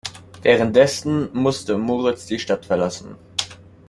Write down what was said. Währenddessen musste Moritz die Stadt verlassen.